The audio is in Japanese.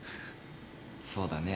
そうだね。